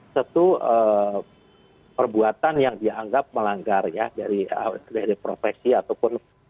satu perbuatan yang dianggap melanggar ya dari profesi ataupun